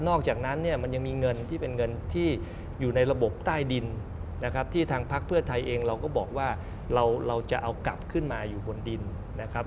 อกจากนั้นเนี่ยมันยังมีเงินที่เป็นเงินที่อยู่ในระบบใต้ดินนะครับที่ทางพักเพื่อไทยเองเราก็บอกว่าเราจะเอากลับขึ้นมาอยู่บนดินนะครับ